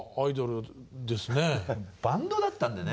バンドだったんでね